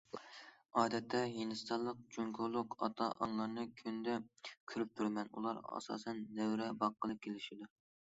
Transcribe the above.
ئادەتتە ھىندىستانلىق، جۇڭگولۇق ئاتا- ئانىلارنى كۈندە كۆرۈپ تۇرىمەن، ئۇلار ئاساسەن نەۋرە باققىلى كېلىشىدۇ.